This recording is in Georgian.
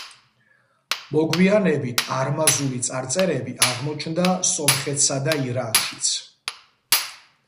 მოგვიანებით არმაზული წარწერები აღმოჩნდა სომხეთსა და ირანშიც.